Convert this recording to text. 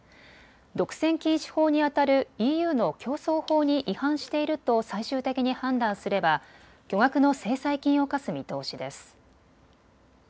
独占禁止法にあたるＥＵの競争法に違反していると最終的に判断すれば巨額の制裁金を科す見通しです。